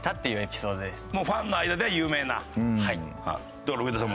だから上田さん